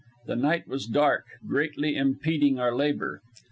The night was dark, greatly impeding our labor.